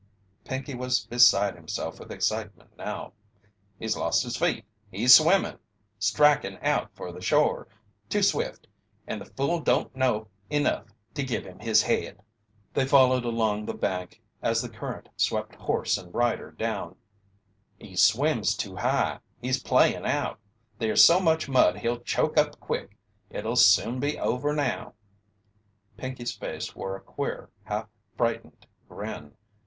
Pinkey was beside himself with excitement now. "He's lost his feet he's swimmin' strikin' out for the shore too swift, and the fool don't know enough to give him his head!" They followed along the bank as the current swept horse and rider down. "He swims too high he's playin' out there's so much mud he'll choke up quick. It'll soon be over now." Pinkey's face wore a queer, half frightened grin.